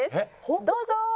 どうぞ！